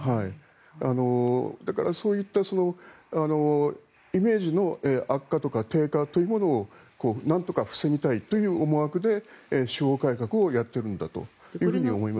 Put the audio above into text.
だから、そういったイメージの悪化とか低下というものをなんとか防ぎたいという思惑で司法改革をやっているんだと思います。